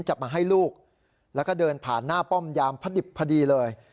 จะมาให้ลูกแล้วก็เดินผ่านหน้าป้อมยามพระดิบพอดีเลย